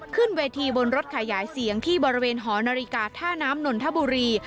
ขึ้นเวทีบนรถขยายเสียงที่บริเวณหอนาฬิกาท่าน้ำนนทบุรี